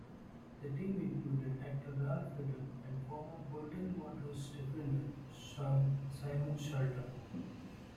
The team included actor Ralf Little and former Bolton Wanderers defender Simon Charlton.